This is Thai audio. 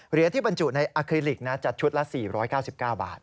เหรียญที่บรรจุในอาคิลิกจะชุดละ๔๙๙บาท